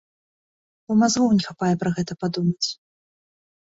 Бо мазгоў не хапае пра гэта падумаць!